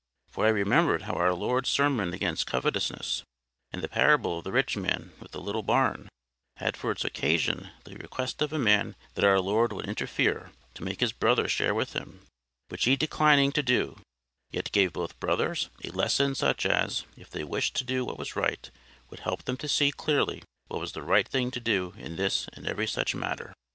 For I remembered how our Lord's sermon against covetousness, with the parable of the rich man with the little barn, had for its occasion the request of a man that our Lord would interfere to make his brother share with him; which He declining to do, yet gave both brothers a lesson such as, if they wished to do what was right, would help them to see clearly what was the right thing to do in this and every such matter.